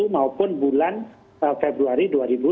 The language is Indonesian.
maupun bulan februari dua ribu dua puluh